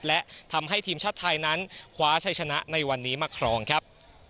และทำให้ทีมชาติไทยนั้นคว้าชัยชนะในวันนี้มาครองครับ